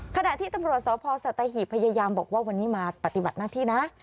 ขณะที่ตำรวจสพสัตหีบพยายามบอกว่าวันนี้มาปฏิบัติหน้าที่นะ